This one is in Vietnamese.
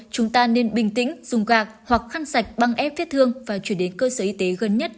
chúng ta nên bình tĩnh dùng gạc hoặc khăn sạch băng ép phết thương và chuyển đến cơ sở y tế gần nhất